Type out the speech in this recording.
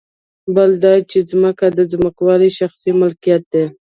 بل دا چې ځمکه د ځمکوالو شخصي ملکیت دی